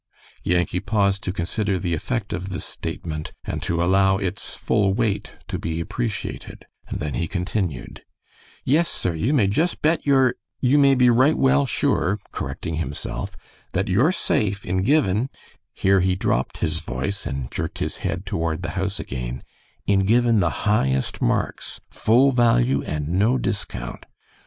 Yankee paused to consider the effect of this statement, and to allow its full weight to be appreciated; and then he continued: "Yes, sir, you may just bet your you may be right well sure," correcting himself, "that you're safe in givin'" here he dropped his voice, and jerked his head toward the house again "in givin' the highest marks, full value, and no discount.